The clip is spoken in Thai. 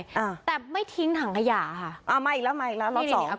อ่าแต่ไม่ทิ้งถังขยะค่ะเอามาอีกแล้วมาอีกแล้วล็อตสอง